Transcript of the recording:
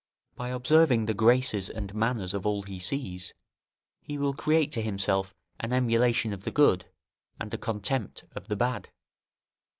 By observing the graces and manners of all he sees, he will create to himself an emulation of the good, and a contempt of the bad.